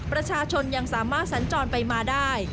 ประชาชนยังสามารถสัญจรไปมาได้